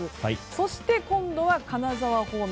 そして今度は、金沢方面。